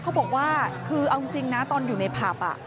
เขาบอกว่าคือเอาจริงนะตอนอยู่ในผับ